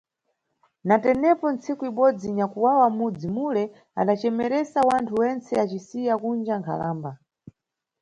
Na tenepo, ntsiku ibodzi, nyakwawa wa m`mudzi mule adacemeresa wanthu wentsene acisiya kunja nkhalamba.